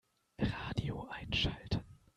Radio einschalten.